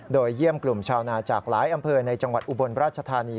โดยเยี่ยมกลุ่มชาวนาจากหลายอำเภอในจังหวัดอุบลราชธานี